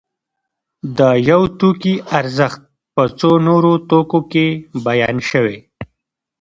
د یو توکي ارزښت په څو نورو توکو کې بیان شوی